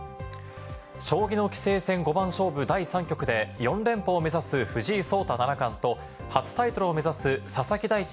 将棋の棋聖戦五番勝負第３局で４連覇を目指す藤井聡太七冠と初タイトルを目指す佐々木大地